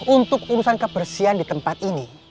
untuk urusan kebersihan di tempat ini